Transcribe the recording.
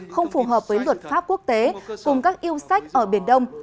không phù hợp với luật pháp quốc tế cùng các yêu sách ở biển đông